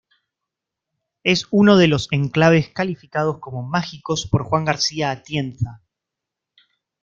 Es uno de los enclaves calificados como "mágicos" por Juan García Atienza.